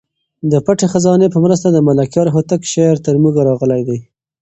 د پټې خزانې په مرسته د ملکیار هوتک شعر تر موږ راغلی دی.